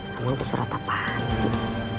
kamu itu surat apaan sih